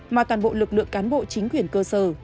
mà toàn bộ lực lượng cán bộ chính quyền cơ sở